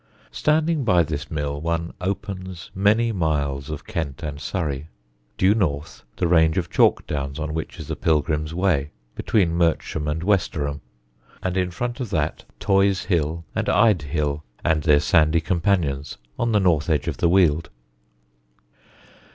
Standing by this mill one opens many miles of Kent and Surrey: due north the range of chalk Downs on which is the Pilgrim's Way, between Merstham and Westerham, and in front of that Toy's Hill and Ide Hill and their sandy companions, on the north edge of the Weald.